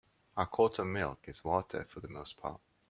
A quart of milk is water for the most part.